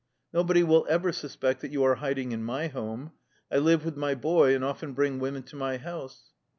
No body will ever suspect that you are hiding in my home. I live with my boy, and often bring women to my house."